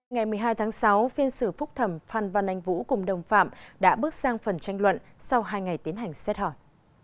ngày một mươi hai tháng sáu phiên xử phúc thẩm phan văn anh vũ cùng đồng phạm đã bước sang phần tranh luận sau hai ngày tiến hành xét hỏi